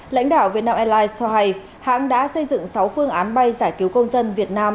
lãnh đạo vietnam airlines cho hay hãng đã xây dựng sáu phương án bay giải cứu công dân việt nam